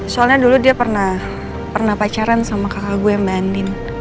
soalnya dulu dia pernah pacaran sama kakak gue yang bandin